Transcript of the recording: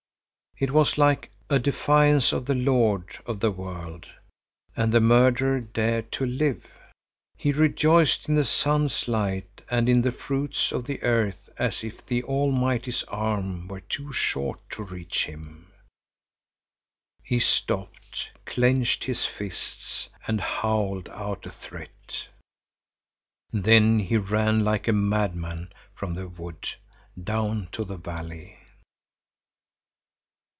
It was like a defiance of the Lord of the world. And the murderer dared to live! He rejoiced in the sun's light and in the fruits of the earth as if the Almighty's arm were too short to reach him. He stopped, clenched his fists and howled out a threat. Then he ran like a madman from the wood down to the valley.